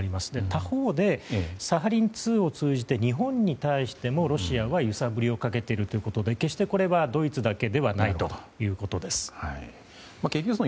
他方で、サハリン２を通じて日本に対してもロシアは揺さぶりをかけているということで決してこれはドイツだけではないということです。